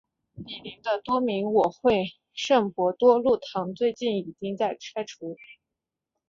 毗邻的多明我会圣伯多禄堂最近已经拆除。